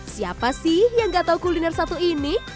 siapa sih yang gak tahu kuliner satu ini